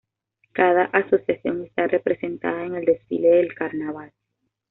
Cada asociación está representada en el desfile del carnaval.